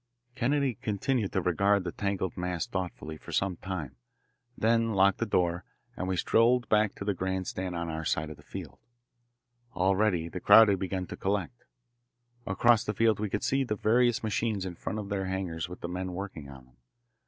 Kennedy continued to regard the tangled mass thoughtfully for some time, then locked the door, and we strolled back to the grand stand on our side of the field. Already the crowd had begun to collect. Across the field we could see the various machines in front of their hangars with the men working on them.